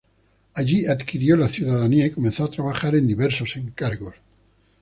Allí adquirió la ciudadanía y comenzó a trabajar en diversos encargos.